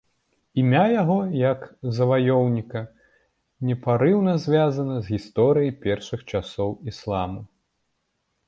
Імя яго, як заваёўніка, непарыўна звязана з гісторыяй першых часоў ісламу.